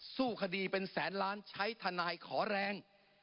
สู้คดีเป็นแสนล้านใช้ทนายขอแรง